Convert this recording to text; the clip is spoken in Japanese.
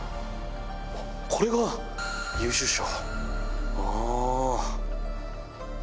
これが優秀賞。